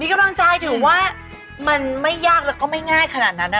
กำลังใจถือว่ามันไม่ยากแล้วก็ไม่ง่ายขนาดนั้น